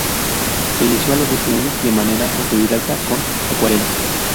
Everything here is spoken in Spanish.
Se inició a los doce años de manera autodidacta con acuarelas.